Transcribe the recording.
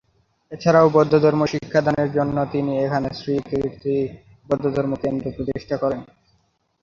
এছাড়াও বৌদ্ধ ধর্ম শিক্ষা দানের জন্য তিনি এখানে শ্রী কীর্তি বৌদ্ধধর্ম কেন্দ্র প্রতিষ্ঠা করেন।